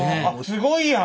すごいやん！